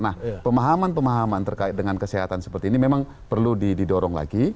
nah pemahaman pemahaman terkait dengan kesehatan seperti ini memang perlu didorong lagi